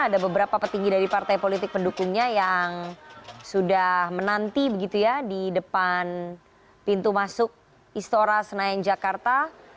ada beberapa petinggi dari partai politik pendukungnya yang sudah menanti begitu ya di depan pintu masuk istora senayan jakarta